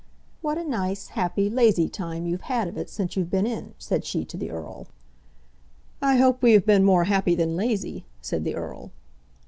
"What a nice, happy, lazy time you've had of it since you've been in," said she to the Earl. "I hope we have been more happy than lazy," said the Earl.